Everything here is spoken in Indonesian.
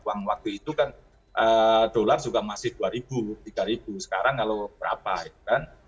uang waktu itu kan dolar juga masih dua tiga sekarang kalau berapa ya kan